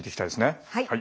はい。